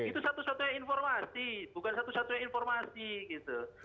itu satu satunya informasi bukan satu satunya informasi gitu